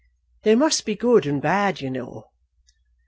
"There must be good and bad you know."